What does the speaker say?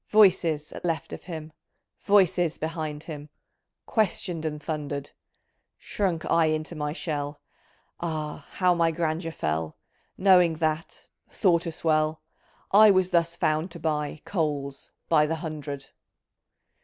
Voices at left of him ! Voices behind him ! Questioned and thunder'd ! Shrunk I into my shell ; Ah ! how my grandeur fell ! Knowing that (thought a " swell ") I was thus found to buy Coals by the " hundred